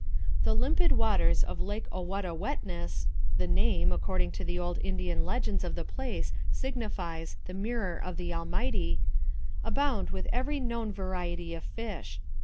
"The limpid waters of Lake Owatawetness (the name, according to the old Indian legends of the place, signifies, The Mirror of the Almighty) abound with every known variety of fish.